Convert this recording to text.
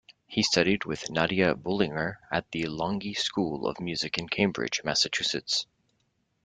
He studied with Nadia Boulanger at the Longy School of Music in Cambridge, Massachusetts.